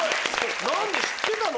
知ってたの？